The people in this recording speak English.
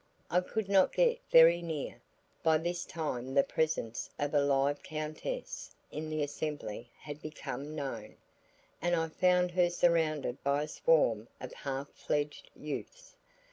I could not get very near. By this time the presence of a live countess in the assembly had become known, and I found her surrounded by a swarm of half fledged youths.